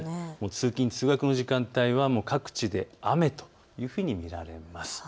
通勤通学の時間帯は各地で雨というふうに見られます。